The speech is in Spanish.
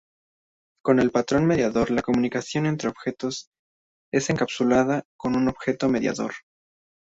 Con el patrón mediador, la comunicación entre objetos es encapsulada con un objeto mediador.